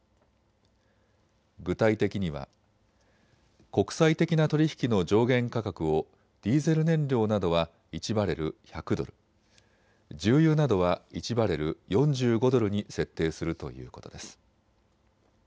具体的には国際的な取り引きの上限価格をディーゼル燃料などは１バレル１００ドル、重油などは１バレル４５ドルに設定するということです。